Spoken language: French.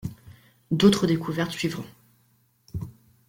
D'autres découvertes suivront.